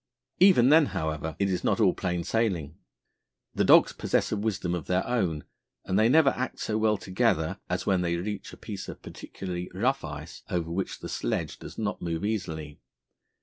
Even then, however, it is not all plain sailing. The dogs possess a wisdom of their own, and they never act so well together as when they reach a piece of particularly rough ice over which the sledge does not move easily.